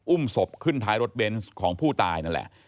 ศพขึ้นท้ายรถเบนส์ของผู้ตายนั่นแหละ